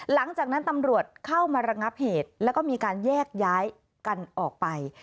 หลังจากนั้นตำรวจเข้ามาระงับเหตุแล้วก็มีการแยกย้ายกันออกไป